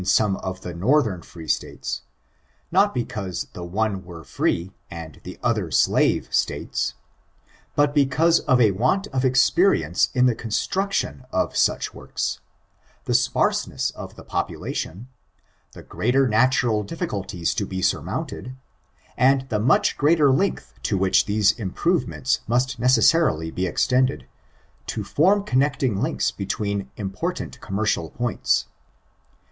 '' I k^ ■'■v '»./>^^^^ 1 484 STBICTURBS some of the northern free States ; not because the one were free, and the other slave States, but becaose of a want of experience in the constmction of such works, the sparseness of the population, the greater natural di£Sculties to be surmounted, and the much greater , length to which those improvements must necessarily ' be extended, to form connecting links between impor tant commercial points.